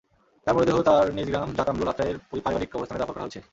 তাঁর মরদেহ তাঁর নিজ গ্রাম জাতআমরুল, আত্রাইয়ের পারিবারিক কবরস্থানে দাফন করা হয়েছে।